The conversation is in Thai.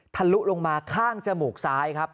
ลุลงมาข้างจมูกซ้ายครับ